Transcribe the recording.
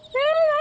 何？